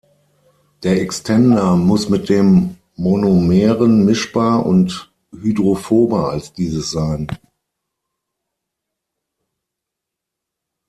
Der Extender muss mit dem Monomeren mischbar und hydrophober als dieses sein.